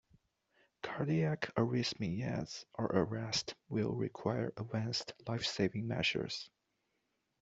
Cardiac arrhythmias or arrest will require advanced life-saving measures.